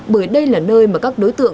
bởi đây là nơi mà các đối tượng